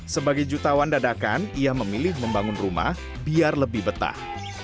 sebagai jutawan dadakan ia memilih membangun rumah biar lebih betah